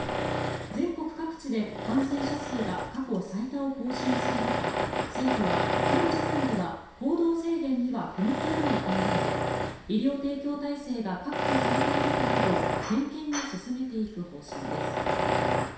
全国各地で感染者数が過去最多を更新する中政府は現時点では行動制限には踏み切らない考えで医療提供体制が確保されているかなど点検を進めていく方針です。